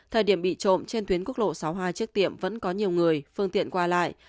thời điểm bị trộm trên tuyến quốc lộ sáu mươi hai trước tiệm vẫn có nhiều người phương tiện qua lại